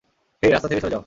হেই, রাস্তা থেকে সরে যাও!